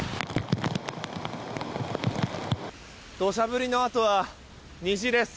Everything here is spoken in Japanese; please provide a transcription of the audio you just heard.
土砂降りのあとは虹です。